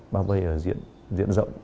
bao vây ở diện rộng